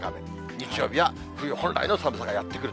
日曜日は冬本来の寒さがやって来る。